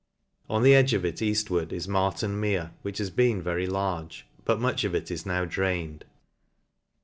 On the edge of it eaftward is Marton Meve> which has been very large; but much of it is now drained.